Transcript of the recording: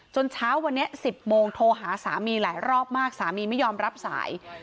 เช้าวันนี้๑๐โมงโทรหาสามีหลายรอบมากสามีไม่ยอมรับสาย